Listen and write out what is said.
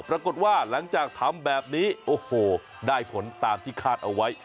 ปรากฏว่าหลังจากทำแบบนี้โอ้โหได้ผลตามที่คาดเอาไว้